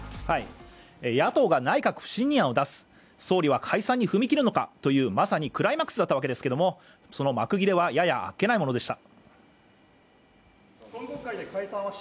野党が内閣不信任案を出す、総理は解散に踏み切るのかというまさにクライマックスだったわけですけどもその幕切れは、ややあっけないものでした。